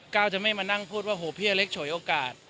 ก้าวจะไม่มานั่งพูดว่าโหพี่อเล็กฉวยโอกาส